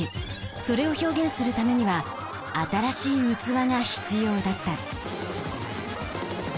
それを表現するためには新しい器が必要だった。